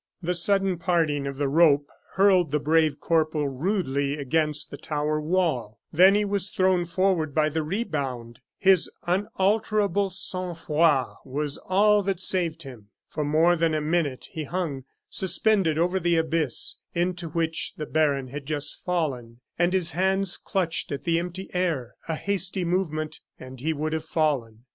The sudden parting of the rope hurled the brave corporal rudely against the tower wall, then he was thrown forward by the rebound. His unalterable sang froid was all that saved him. For more than a minute he hung suspended over the abyss into which the baron had just fallen, and his hands clutched at the empty air. A hasty movement, and he would have fallen.